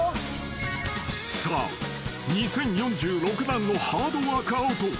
［さあ２，０４６段のハードワークアウト］